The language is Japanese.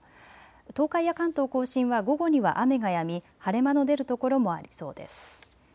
東海や関東甲信は午後には雨がやみ晴れ間の出る所もありそうです。